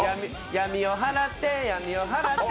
闇を払って闇を払って」